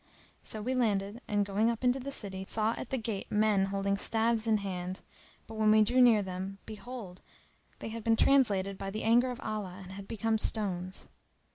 So we landed and going up into the city, saw at the gate men hending staves in hand; but when we drew near them, behold, they had been translated[FN#306] by the anger of Allah and had become stones.